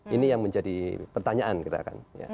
ini yang menjadi pertanyaan kita kan